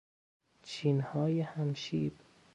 چینهای هم شیب